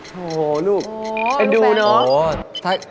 โอ้โฮลูกเป็นดูเนอะโอ้โฮลูกเป็นดูเนอะ